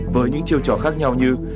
với những chiêu trò khác nhau như